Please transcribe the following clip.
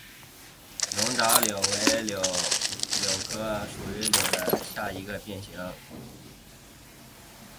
龙爪柳为杨柳科柳属旱柳下的一个变型。